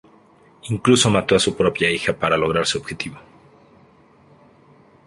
Incluso mató a su propia hija para lograr su objetivo.